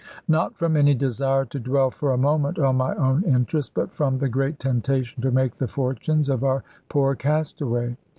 Not from any desire to dwell for a moment on my own interest, but from the great temptation to make the fortunes of our poor castaway.